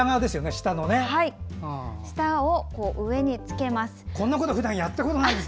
舌を上につけます。